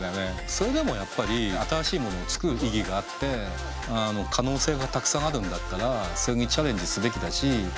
それでもやっぱり新しいものを作る意義があって可能性がたくさんあるんだったらそれにチャレンジすべきだし。